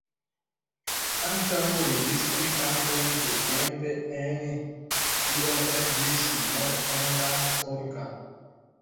Ankaŭ registri kanton tiutempe en Turkio eblis nur en la turka.